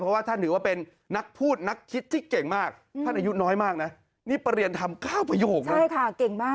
เพราะว่าท่านถือว่าเป็นนักพูดนักคิดที่เก่งมากท่านอายุน้อยมากนะนี่ประเรียนทำ๙ประโยคนะใช่ค่ะเก่งมาก